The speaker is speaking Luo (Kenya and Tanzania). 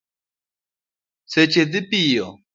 Seche dhi piyo